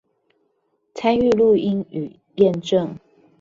參與錄音與驗證